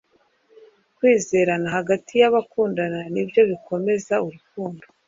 kwizerana hagati y’abakundana nibyo bikomeza urukundo.